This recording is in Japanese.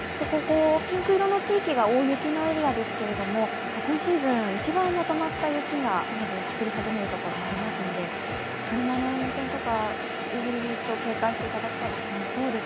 ピンク色の地域が大雪のエリアですけど今シーズン一番まとまった雪が降り始めるところがありますので車の運転とか、より一層警戒していただきたいですね。